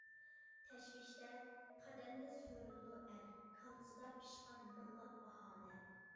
تەشۋىشتە، قەدەمدە سۆرىلىدۇ ئەر، كاللىسىدا پىشقان مىڭلاپ باھانە.